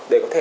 để có thể